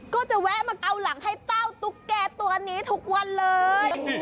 ก็จะแวะมาเกาหลังให้เต้าตุ๊กแก่ตัวนี้ทุกวันเลย